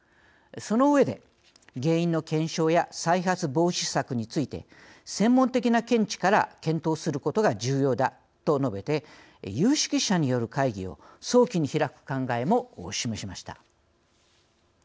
その上で「原因の検証や再発防止策について専門的な見地から検討することが重要だ」と述べて有識者による会議を早期に開く考えも示しました。